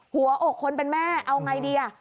หัวอกคนเป็นแม่เอาไงดีอ่ะ